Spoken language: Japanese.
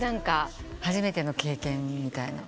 初めての経験みたいな？